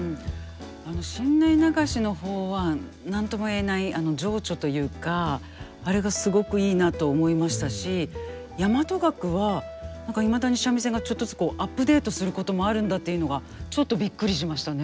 あの新内流しの方は何とも言えない情緒というかあれがすごくいいなと思いましたし大和楽はいまだに三味線がちょっとずつアップデートすることもあるんだというのがちょっとびっくりしましたね。